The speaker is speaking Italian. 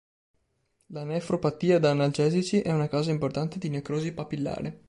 La nefropatia da analgesici è una causa importante di necrosi papillare.